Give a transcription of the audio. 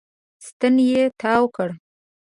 ستن يې تاو کړه.